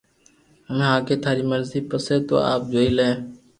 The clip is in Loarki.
ھمي آگي ٿاري مرزي پسي تو آپ جوئي لي